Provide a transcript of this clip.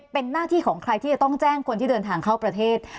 เป็นหน้าที่ของใครที่จะต้องแจ้งคนที่เดินทางเข้าประเทศ